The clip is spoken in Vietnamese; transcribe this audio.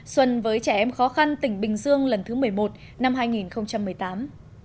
xuân với trẻ em khó khăn tỉnh bình dương lần thứ một mươi một năm hai nghìn một mươi tám